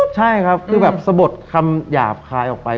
ใช่ครับคือแบบสะบดคำหยาบคายออกไป